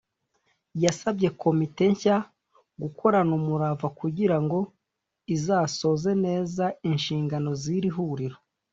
yasabye komite nshya gukorana umurava kugira ngo izasoze neza inshingano z’iri huriro